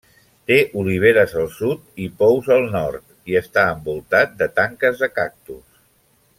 Té oliveres al sud, i pous al nord, i està envoltat de tanques de cactus.